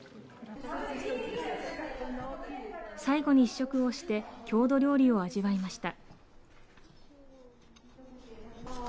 最後に試食をして郷土料理を味わいました。